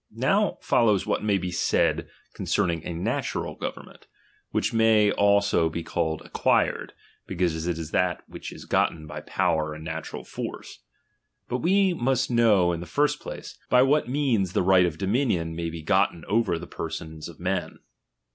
Now follows what may be said concerning a natural government ; which may also be called acquired, because it is that which is gotten by power and natural force. But we must know in the first place, by what means the right of dominion may be gotten over the per sons of men.